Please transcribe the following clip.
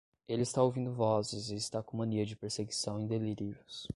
Ele está ouvindo vozes e está com mania de perseguição e delírios